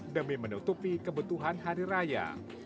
demi menutupi kebutuhan hari raya